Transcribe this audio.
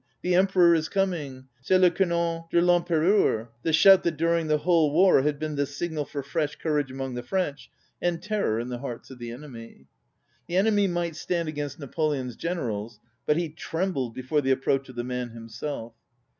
The Emperor is coming! C'est le canon de VEm pereur!" ŌĆö the shout that during the whole war had been the signal for fresh courage among the French and terror in the hearts of the enemy. The enemy might stand against Na poleon's generals, but he trembled before the approach of the man himself.